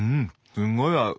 すごい合う！